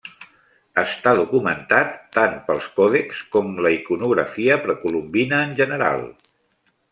Està documentat tant pels còdexs com la iconografia precolombina en general.